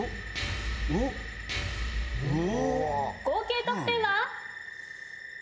合計得点は。